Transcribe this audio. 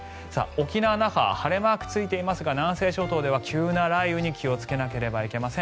沖縄・那覇晴れマークがついていますが南西諸島では急な雷雨に気をつけなければなりません。